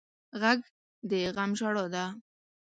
غږ د غم ژړا ده